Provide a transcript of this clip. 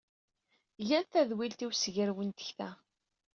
Gan tadwilt i ussegrew n tekta.